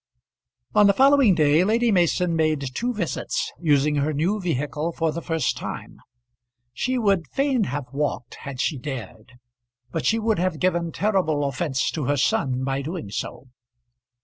On the following day Lady Mason made two visits, using her new vehicle for the first time. She would fain have walked had she dared; but she would have given terrible offence to her son by doing so.